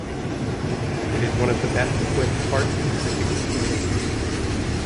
It is one of the best equipped Heart Institutes in the region.